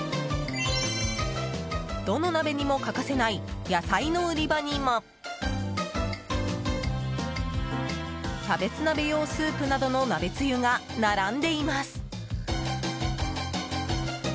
どの鍋にも欠かせない野菜の売り場にもキャベツ鍋用スープなどの鍋つゆが、並んでいます。